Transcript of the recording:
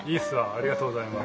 ありがとうございます。